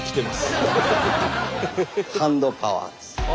ハンドパワーです。